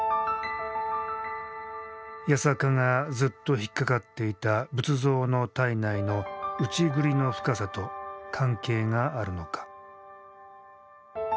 八坂がずっと引っかかっていた仏像の体内の内刳りの深さと関係があるのか。